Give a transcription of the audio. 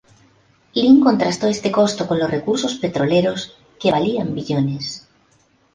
Lin contrastó este costo con los recursos petroleros "que valían billones".